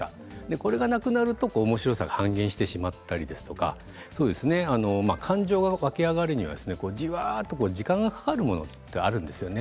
これがなくなると、おもしろさが半減してしまったりですとか感情が湧き上がるにはじわっと時間がかかるものってあるんですよね。